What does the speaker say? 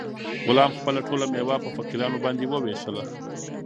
غلام خپله ټوله مېوه په فقیرانو باندې وویشله.